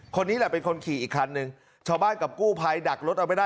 คนนี้แหละเป็นคนขี่อีกคันหนึ่งชาวบ้านกับกู้ภัยดักรถเอาไว้ได้